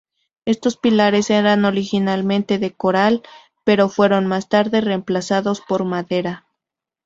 Estos pilares eran originalmente de coral pero fueron más tarde reemplazados por madera.